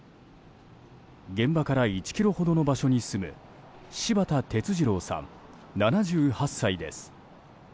現場から１ｋｍほどの場所に住む柴田哲二朗さん、７８歳です。